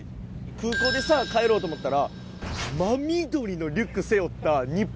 空港でさぁ帰ろうと思ったら。